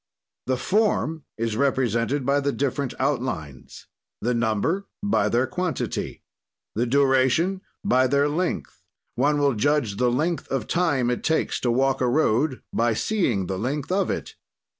"The form is represented by the different outlines. "The number by their quantity. "The duration by their length; one will judge of the length of time it takes to walk a road by seeing the length of it.